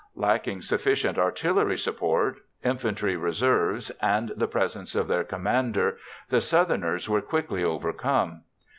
Lacking sufficient artillery support, infantry reserves, and the presence of their commander, the Southerners were quickly overcome.